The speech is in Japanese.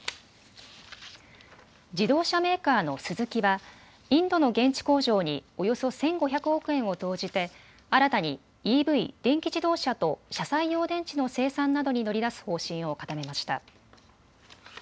自動車メーカーのスズキはインドの現地工場におよそ１５００億円を投じて新たにＥＶ・電気自動車と車載用電池の生産などに乗り出す方針を固めました。